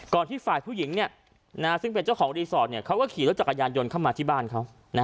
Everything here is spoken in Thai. ที่ฝ่ายผู้หญิงซึ่งเป็นเจ้าของรีสอร์ทเขาก็ขี่รถจักรยานยนต์เข้ามาที่บ้านเขา